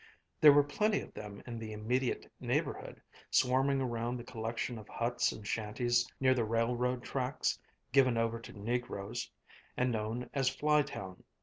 There were plenty of them in the immediate neighborhood, swarming around the collection of huts and shanties near the railroad tracks given over to negroes, and known as Flytown.